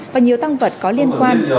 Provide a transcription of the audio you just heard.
và nhiều tăng vật có liên quan